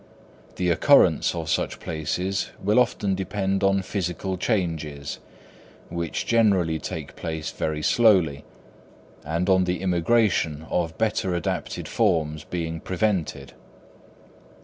The occurrence of such places will often depend on physical changes, which generally take place very slowly, and on the immigration of better adapted forms being prevented.